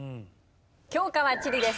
教科は地理です。